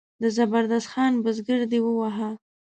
د زبردست خان بزګر دی وواهه.